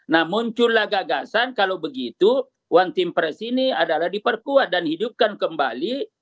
nah muncullah gagasan kalau begitu one team press ini adalah diperkuat dan hidupkan kembali